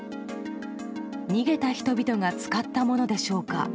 逃げた人々が使ったものでしょうか。